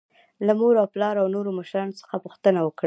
له مور او پلار او نورو مشرانو څخه پوښتنه وکړئ.